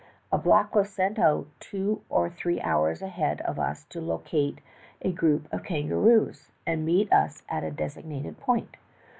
A black was sent out two or three hours ahead of us to locate a group of kan garoos and meet us at a designated point.